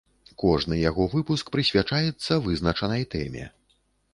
Кожны яго выпуск прысвячаецца вызначанай тэме.